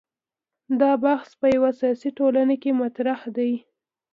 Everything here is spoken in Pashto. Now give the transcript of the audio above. دا بحث په یوه سیاسي ټولنه کې مطرح دی.